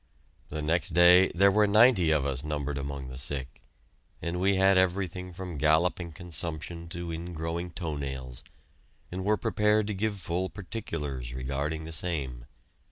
The next day there were ninety of us numbered among the sick, and we had everything from galloping consumption to ingrowing toe nails, and were prepared to give full particulars regarding the same.